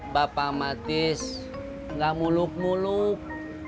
bapak matis nggak muluk muluk